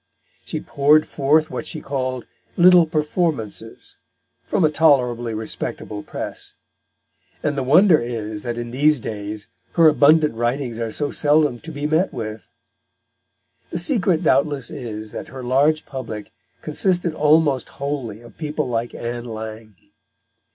She poured forth what she called "little Performances" from a tolerably respectable press; and the wonder is that in these days her abundant writings are so seldom to be met with. The secret doubtless is that her large public consisted almost wholly of people like Ann Lang.